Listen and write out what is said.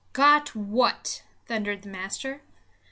"Got what?" thundered the master.